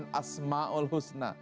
kemuliaan asma'ul husna